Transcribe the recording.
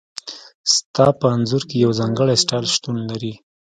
ستا په انځور کې یو ځانګړی سټایل شتون لري